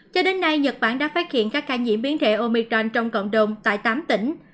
cho đến nay nhật bản đã phát hiện các ca nhiễm biến thể omicron trong cộng đồng tại tám tỉnh